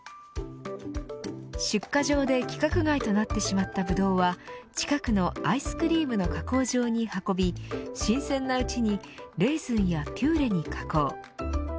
出荷場で規格外となってしまったブドウは近くのアイスクリームの加工場に運び新鮮なうちにレーズンやピューレに加工。